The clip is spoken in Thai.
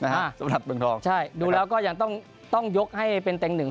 สำหรับเมืองทองใช่ดูแล้วก็ยังต้องต้องยกให้เป็นเต็งหนึ่ง